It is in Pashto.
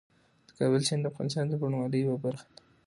د کابل سیند د افغانستان د بڼوالۍ یوه برخه ده.